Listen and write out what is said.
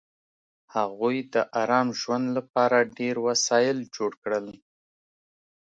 هغوی د ارام ژوند لپاره ډېر وسایل جوړ کړل